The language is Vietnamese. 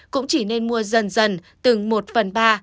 cũng chỉ nên mua dần dần từng một phần ba